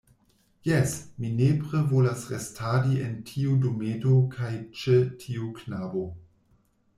Jes, mi nepre volas restadi en tiu dometo kaj ĉe tiu knabo.